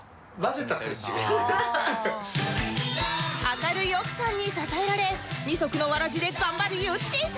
明るい奥さんに支えられ二足のわらじで頑張るゆってぃさん